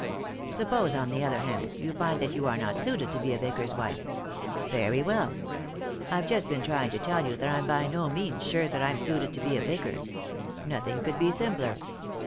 Suppose, on the other hand, you find that you are not suited to be a vicar's wife. Very well 1 I've just been trying to tell you that I'm by no means sure that I'm suited to be a vicar. Nothing could be simpler.